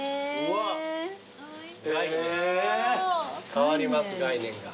変わります概念が。